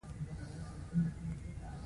معده د خوږیږي؟